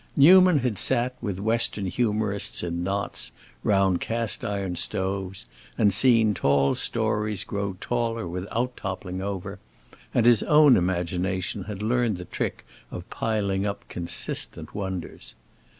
Newman had sat with Western humorists in knots, round cast iron stoves, and seen "tall" stories grow taller without toppling over, and his own imagination had learned the trick of piling up consistent wonders.